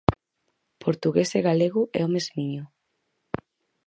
Portugués e galego é o mesmiño.